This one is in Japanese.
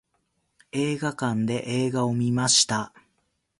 映画館で映画を観ました。